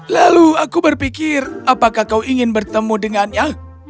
lalu aku berpikir apakah kau ingin bertemu dengannya